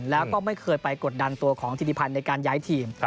แล้วก็ไม่เคยไปกดดันตัวของธิริพันธ์ในการย้ายทีม